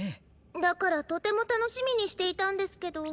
だからとてもたのしみにしていたんですけど。